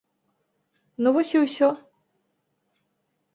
Ну вось і ўсё.